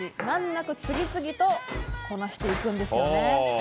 難なく次々とこなしていくんです。